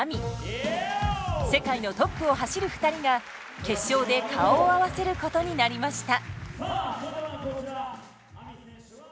世界のトップを走る２人が決勝で顔を合わせることになりました。